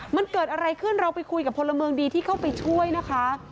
มันเกิดอะไรขึ้นเราไปคุยกับพลเมืองดีที่เข้าไปช่วยนะคะ